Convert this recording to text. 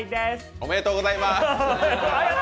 おめでとうございます！